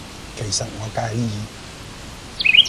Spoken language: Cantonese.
其實我介意